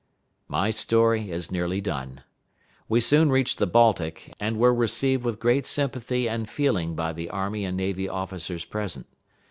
My story is nearly done. We soon reached the Baltic, and were received with great sympathy and feeling by the army and navy officers present.